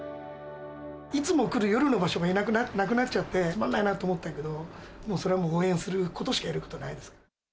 いつも来る夜の場所がなくなっちゃって、つまんないなと思ったけど、それも応援することしかやることないです。